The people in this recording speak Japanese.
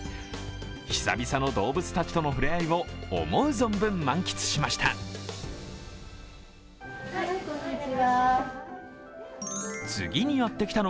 久々の動物たちとの触れ合いを思う存分満喫しました。